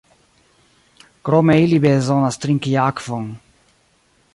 Krome ili bezonas trinki akvon.